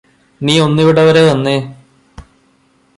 നീ ഒന്നിവിടെവരെ വന്നേ.